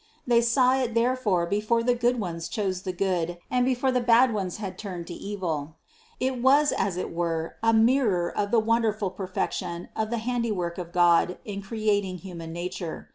They saw it therefore before the good ones chose the good and before the bad ones had turned to evil. It was as it were a mirror of the wonderful perfection of the handiwork of God in creat ing human nature.